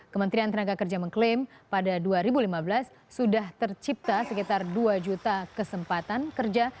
kementerian tenaga kerja mengklaim pada dua ribu lima belas sudah tercipta sekitar dua juta kesempatan kerja